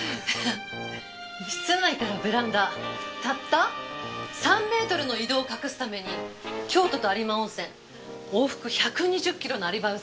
室内からベランダたった３メートルの移動を隠すために京都と有馬温泉往復１２０キロのアリバイを作った。